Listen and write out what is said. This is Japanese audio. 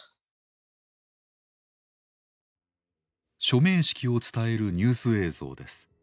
署名式を伝えるニュース映像です。